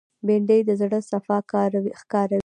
بېنډۍ د زړه صفا ښکاروي